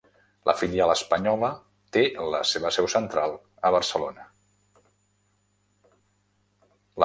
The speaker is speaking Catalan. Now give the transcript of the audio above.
La filial espanyola té la seva seu central a Barcelona.